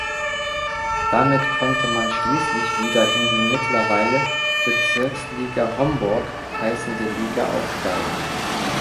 Damit konnte man schließlich wieder in die mittlerweile "Bezirksliga Homburg" heißende Liga aufsteigen.